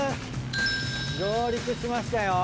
上陸しましたよ。